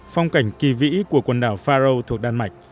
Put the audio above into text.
phong cảnh kỳ vĩ của quần đảo faro thuộc đan mạch